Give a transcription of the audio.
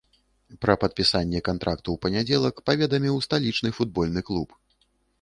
Пра падпісанне кантракту ў панядзелак паведаміў сталічны футбольны клуб.